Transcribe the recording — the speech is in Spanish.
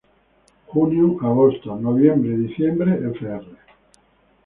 Junio-agosto, noviembre-diciembre, fr.